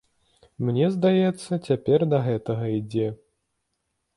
Мне здаецца, цяпер да гэтага ідзе.